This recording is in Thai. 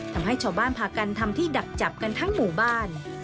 ทำให้ชาวบ้านพากันทำที่ดักจับกันทั้งหมู่บ้าน